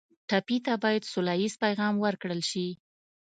ټپي ته باید سوله ییز پیغام ورکړل شي.